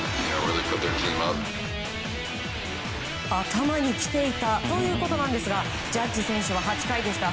頭にきていたということですがジャッジ選手は８回でした。